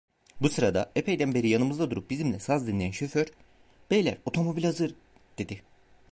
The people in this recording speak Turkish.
Bu sırada, epeyden beri yanımızda durup bizimle saz dinleyen şoför: "Beyler, otomobil hazır!" dedi.